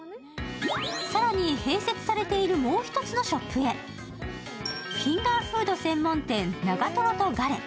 更に併設されているもう一つのお店へ、フィンガーフード専門店、長瀞とガレ。